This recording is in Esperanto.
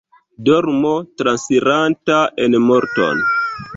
Dormo, transiranta en morton.